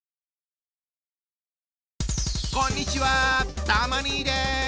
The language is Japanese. こんにちはたま兄です。